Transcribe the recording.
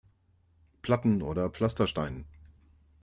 Platten oder Pflastersteinen.